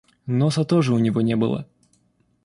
Носа тоже у него не было.